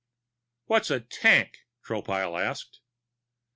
"What's a tank?" Tropile asked.